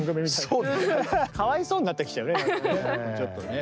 かわいそうになってきちゃうねなんかねちょっとね。